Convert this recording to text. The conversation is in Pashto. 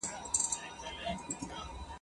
د ا یوازي وه په کټ کي نیمه شپه وه !.